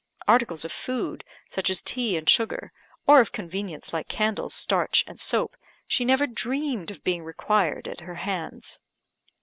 Articles of food, such as tea and sugar, or of convenience, like candles, starch, and soap, she never dreamed of being required at her hands.